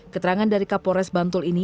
keterangan dari kapolres bantul ini